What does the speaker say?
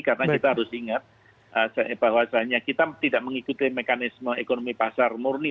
karena kita harus ingat bahwasanya kita tidak mengikuti mekanisme ekonomi pasar murni